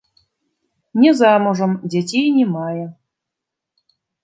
Не замужам, дзяцей не мае.